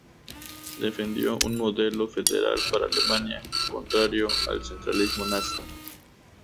Defendió un modelo federal para Alemania, contrario al centralismo nazi.